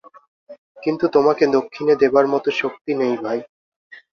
কিন্তু তোমাকে দক্ষিণে দেবার মতো শক্তি নেই ভাই।